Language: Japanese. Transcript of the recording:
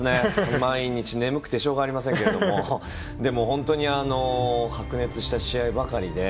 毎日眠くてしょうがありませんけどでも、白熱した試合ばかりで。